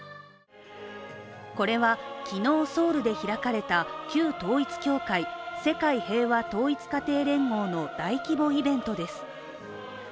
これは昨日、ソウルで開かれた旧統一教会＝世界平和統一家庭連合の大規模イベントです。